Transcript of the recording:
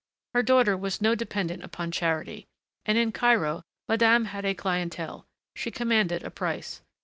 Her daughter was no dependent upon charity. And in Cairo madame had a clientèle, she commanded a price.